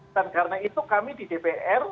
dan karena itu kami di dpr